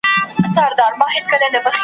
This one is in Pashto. ستا او د ابا کیسه د میني، کورنۍ .